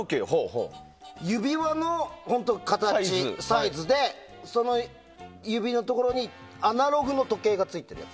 指輪の形、サイズで指のところにアナログの時計がついてるやつ。